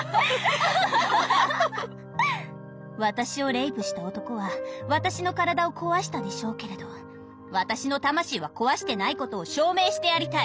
私をレイプした男は私の体を壊したでしょうけれど私の魂は壊してないことを証明してやりたい！